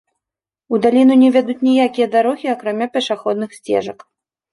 У даліну не вядуць ніякія дарогі, акрамя пешаходных сцежак.